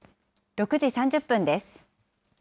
６時３０分です。